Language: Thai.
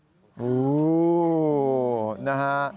โอ้โหนะฮะ